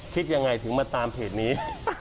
คิดยังไงถึงมาตามเพจนี้